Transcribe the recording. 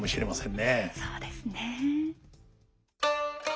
そうですね。